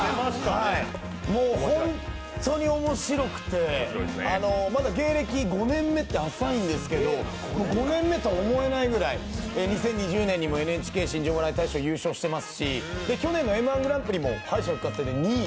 もうホントに面白くて、まだ芸歴５年目って浅いんですけど５年目とは思えないぐらい２０２０年にもＮＨＫ新人お笑い大賞優勝してますし去年の「Ｍ−１グランプリ」も敗者復活戦で２位。